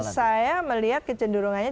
saya melihat kecenderungannya